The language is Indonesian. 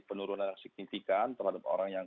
penurunan yang signifikan terhadap orang yang